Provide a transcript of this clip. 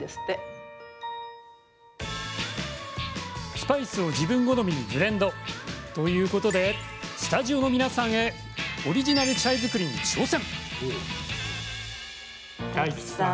スパイスを自分好みにブレンド。ということでスタジオの皆さんへオリジナルチャイ作りに挑戦。